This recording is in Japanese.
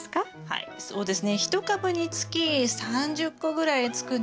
はいそうですね。